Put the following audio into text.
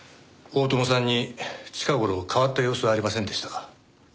大友さんに近頃変わった様子はありませんでしたか？